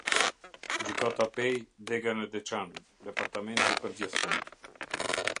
Gjykata Pejë, Dega në Deçan, Departamenti i Përgjithshëm.